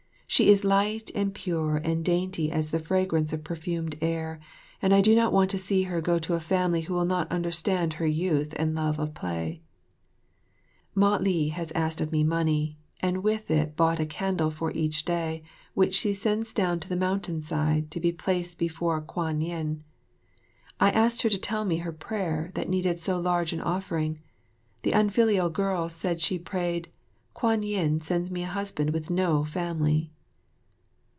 She is light and pure and dainty as the fragrance of perfumed air, and I do not want to see her go to a family who will not understand her youth and love of play. Mah li has asked of me money, and with it bought a great candle for each day, which she sends down the mountain side to be placed before Kwan yin. I asked her to tell me her prayer, that needed so large an offering. The unfilial girl said she prayed, "Kwan yin, send me a husband with no family."